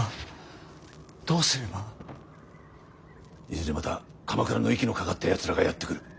いずれまた鎌倉の息のかかったやつらがやって来る。